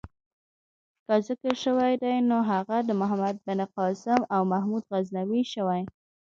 که ذکر شوی دی نو هغه د محمد بن قاسم او محمود غزنوي شوی.